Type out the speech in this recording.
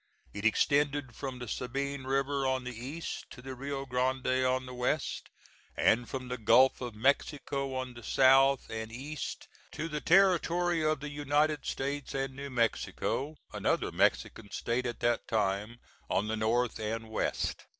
It extended from the Sabine River on the east to the Rio Grande on the west, and from the Gulf of Mexico on the south and east to the territory of the United States and New Mexico another Mexican state at that time on the north and west.